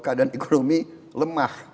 keadaan ekonomi lemah